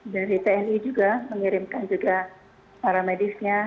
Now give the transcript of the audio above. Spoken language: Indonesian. dari tni juga mengirimkan juga para medisnya